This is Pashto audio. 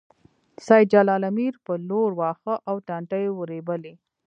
سېد جلال امیر په لور واښه او ټانټې ورېبلې